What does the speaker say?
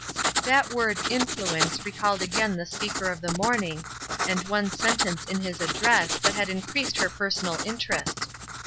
That word "influence" recalled again the speaker of the morning, and one sentence in 222 ESTER RIED^S NAMESAKE his address that had increased her personal interest.